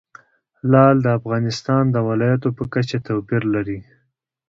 لعل د افغانستان د ولایاتو په کچه توپیر لري.